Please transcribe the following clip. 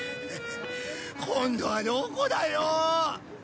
今度はどこだよ！